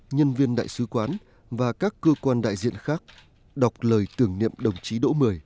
nhân viên đại sứ quán và các cơ quan đại diện khác đọc lời tưởng niệm đồng chí độ một mươi